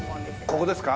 ここですか？